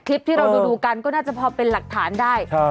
คลิปที่เราดูกันก็น่าจะพอเป็นหลักฐานได้